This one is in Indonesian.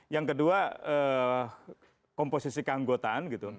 yang kedua komposisi keanggotaan gitu